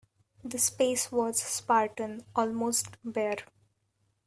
The space was spartan, almost bare.